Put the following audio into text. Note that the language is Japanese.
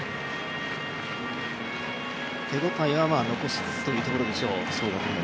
手応えは残しつつというところでしょう。